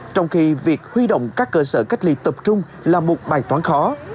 trong khi việc huy động các cơ sở cách ly tập trung là một bài toán khó